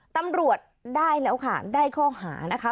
ตำรวจได้แล้วค่ะได้ข้อหานะคะ